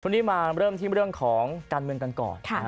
วันนี้มาเริ่มที่เรื่องของการเมืองกันก่อน